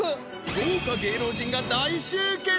豪華芸能人が大集結！